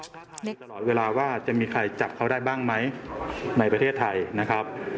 ก็ถามเด็กตลอดเวลาว่าจะมีใครจับเขาได้บ้างไหมในประเทศไทยนะครับ